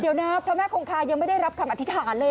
เดี๋ยวนะพระแม่คงคายังไม่ได้รับคำอธิษฐานเลย